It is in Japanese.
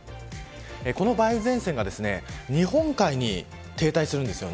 この梅雨前線が日本海に停滞するんです。